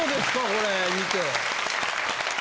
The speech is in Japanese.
これ見て。